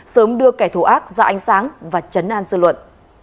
sớm đưa kẻ thù ác ra ánh sáng và chấn an dư luận